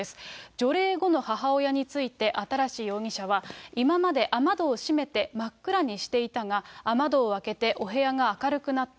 除霊後の母親について新容疑者は、今まで雨戸を閉めて、真っ暗にしていたが、雨戸を開けてお部屋が明るくなった。